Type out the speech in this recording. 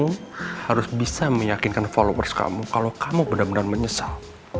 kamu harus bisa meyakinkan followers kamu kalau kamu benar benar menyesal